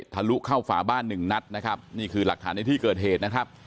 ทะลุเข้าฝาบ้าน๑นัดนี่คือหลักฐานในที่เกิดเหตุ